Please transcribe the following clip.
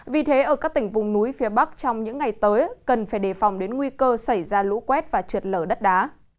vì thế ở các tỉnh vùng núi phía bắc trong những ngày tới cần phải đề phòng đến nguy cơ xảy ra lũ quét và trượt lở đất đá